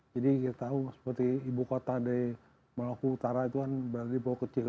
jadi kita tahu seperti ibu kota dari melaku utara itu kan berada di pulau kecil